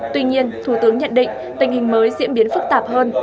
tuy nhiên thủ tướng nhận định tình hình mới diễn biến phức tạp hơn